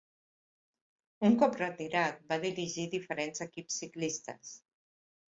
Un cop retirat, va dirigir diferents equips ciclistes.